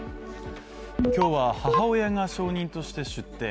今日は母親が証人として出廷。